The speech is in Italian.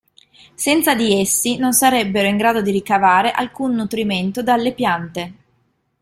Senza di essi, non sarebbero in grado di ricavare alcun nutrimento dalle piante.